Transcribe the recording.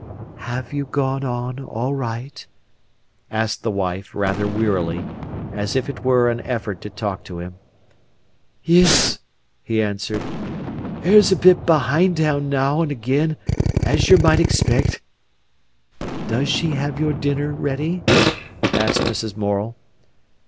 "Have you gone on all right?" asked the wife, rather wearily, as if it were an effort to talk to him. "Yis," he answered. "'Er's a bit behint hand now and again, as yer might expect." "Does she have your dinner ready?" asked Mrs. Morel.